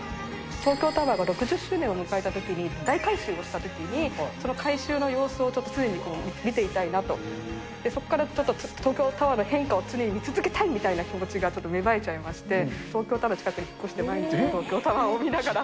東京タワーが６０周年を迎えたときに、大改修をしたときに、その改修の様子を常に見ていたいなと、そこからちょっと東京タワーの変化を常に見続けたいみたいな気持ちがちょっと芽生えちゃいまして、東京タワーの近くに引っ越して、毎日東京タワーを見ながら。